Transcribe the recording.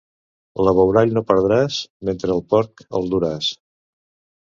L'abeurall no perdràs pas mentre al porc el duràs.